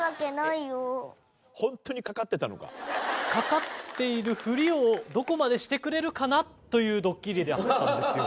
かかっているフリをどこまでしてくれるかなというドッキリだったんですよ。